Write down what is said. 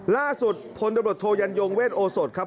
ล่าสุดผลัพรดโทยันยงเวทโอสตครับ